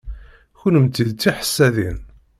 Kennemti d tiḥessadin.